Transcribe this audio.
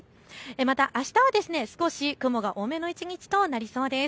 またあしたは少し雲が多めの一日となりそうです。